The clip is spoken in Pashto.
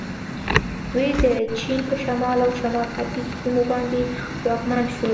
دوی د چین په شمال او شمال ختیځو سیمو باندې واکمن شول.